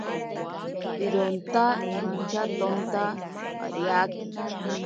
Ironta intyatonta pariake.